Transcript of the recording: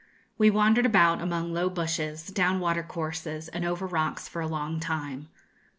We wandered about among low bushes, down watercourses, and over rocks for a long time.